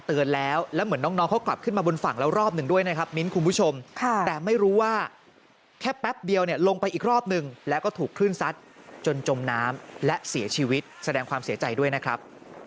แต่ไม่รู้ว่าแค่แป๊บเดียวเนี่ยลงไปอีกรอบนึงแล้วก็ถูกขึ้นซัดจนจมน้ำและเสียชีวิตแสดงความเสียใจด้วยนะครับ